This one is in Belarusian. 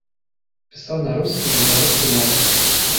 Пісаў на рускай і на беларускай мовах.